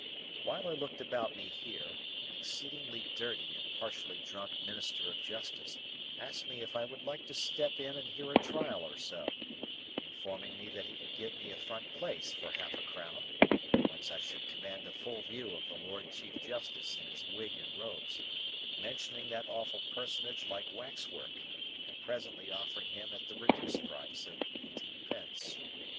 While I looked about me here, an exceedingly dirty and partially drunk minister of justice asked me if I would like to step in and hear a trial or so: informing me that he could give me a front place for half a crown, whence I should command a full view of the Lord Chief Justice in his wig and robes,—mentioning that awful personage like waxwork, and presently offering him at the reduced price of eighteen pence.